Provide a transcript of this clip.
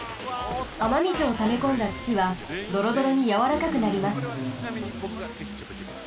あまみずをためこんだつちはどろどろにやわらかくなります。